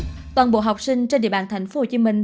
tuy nhiên toàn bộ học sinh trên địa bàn thành phố hồ chí minh